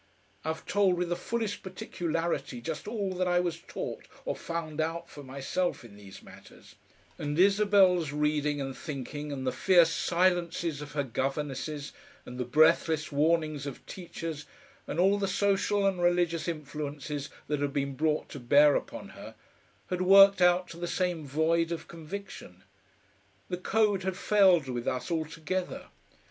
I've told with the fullest particularity just all that I was taught or found out for myself in these matters, and Isabel's reading and thinking, and the fierce silences of her governesses and the breathless warnings of teachers, and all the social and religious influences that had been brought to bear upon her, had worked out to the same void of conviction. The code had failed with us altogether.